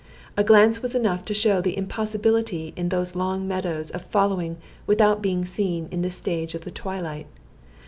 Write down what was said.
A glance was enough to show the impossibility in those long meadows of following without being seen in this stage of the twilight.